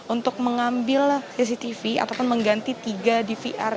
untuk mengambil cctv ataupun mengganti tiga dvr cctv yang ada di lokasi u dua puluh tiga